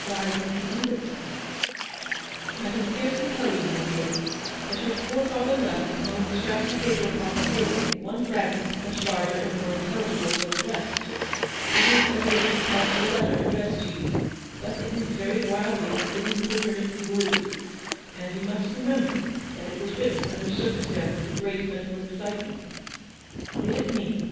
"Why did he do this?" " I can scarcely tell you, my dear ; but your GOOD SAMARITANS. 169 poor father left, among the scraps of paper upon the table, one fragment much larger and more intelligible than the rest. It is evidently part of a letter addressed to you ; but it is very wildly and incoherently worded ; and you must remem ber that it was written under circumstances of great mental excitement." " Give it me